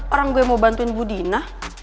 orang gue yang mau bantuin bu dina